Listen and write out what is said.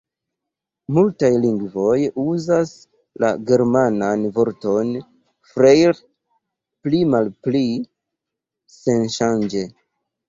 Multaj lingvoj uzas la germanan vorton "Freiherr" pli-malpli senŝanĝe.